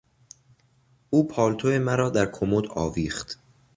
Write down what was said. او پالتو مرا در کمد آویخت.